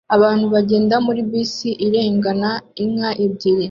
Abantu bagenda muri bisi irengana inka ebyiri